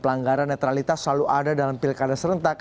pelanggaran netralitas selalu ada dalam pilkada serentak